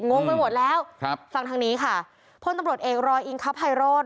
งงไปหมดแล้วฟังทางนี้ค่ะพ่อตำรวจเองรอยอิงคับไฮโรด